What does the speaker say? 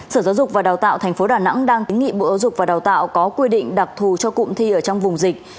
sở giáo dục và đào tạo tp đà nẵng đang kính nghị bộ giáo dục và đào tạo có quy định đặc thù cho cụm thi ở trong vùng dịch